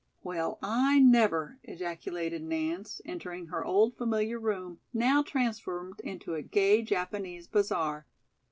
"Well, I never," ejaculated Nance, entering her old familiar room, now transformed into a gay Japanese bazaar.